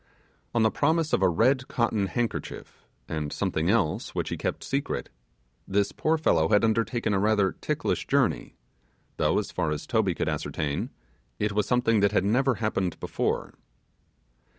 On the promise of a red cotton handkerchief, and something else which he kept secret, this poor fellow had undertaken a rather ticklish journey, though, as far as Toby could ascertain, it was something that had never happened before.